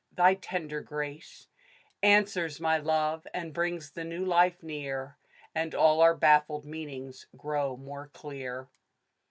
Thy tender grace Answers my love, and brings the new life near ; And all our baffled meanings grow more clear.